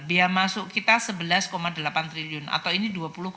biaya masuk kita rp sebelas delapan triliun atau ini dua puluh empat